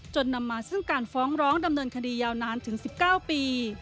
นำมาซึ่งการฟ้องร้องดำเนินคดียาวนานถึง๑๙ปี